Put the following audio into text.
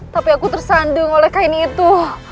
tapi aku tersandung oleh kain itu